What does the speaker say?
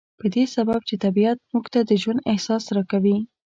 په دې سبب چې طبيعت موږ ته د ژوند احساس را کوي.